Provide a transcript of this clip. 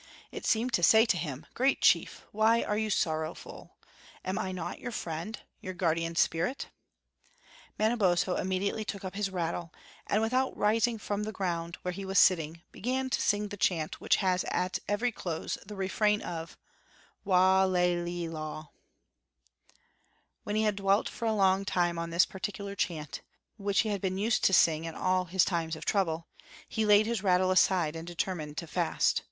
It seemed to say to him: "Great chief, why are you sorrowful? Am not I your friend your guardian spirit?" Manabozbo immediately took up his rattle, and without rising from the ground where he was sitting, began to sing the chant which has at every close the refrain of, "Wha lay le aw." When he had dwelt for a long time on this peculiar chant, which he had been used to sing in all his times of trouble, he laid his rattle aside and determined to fast.